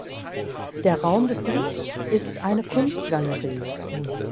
Der Raum des Lichts ist eine Kunstgalerie.